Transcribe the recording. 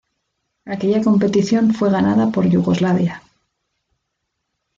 Aquella competición fue ganada por Yugoslavia.